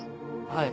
はい。